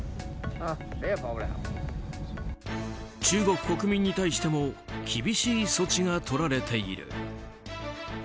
中国国民に対しても厳しい措置が取られている。